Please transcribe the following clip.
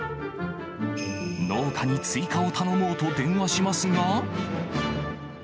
農家に追加を頼もうと電話しますが。